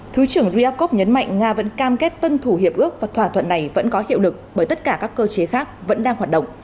thứ trưởng riyabkov nhấn mạnh nga vẫn cam kết tuân thủ hiệp ước và thỏa thuận này vẫn có hiệu lực bởi tất cả các cơ chế khác vẫn đang hoạt động